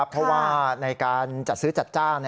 เพราะว่าในการจัดซื้อจัดจ้าง